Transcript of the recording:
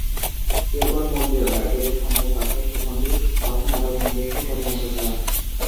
এরপর মূল মিলনায়তনে সন্ধ্যা সাতটায় শিখণ্ডী কথা নাটক মঞ্চস্থ করে নাট্যাধার।